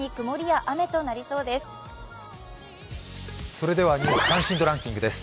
それでは「ニュース関心度ランキング」です。